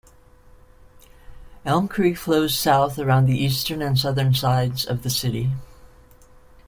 Elm Creek flows south around the eastern and southern sides of the city.